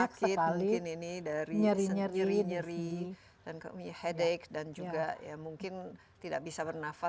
dan sakit mungkin ini dari nyiri nyiri dan headache dan juga mungkin tidak bisa bernafas